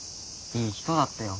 いい人だったよ。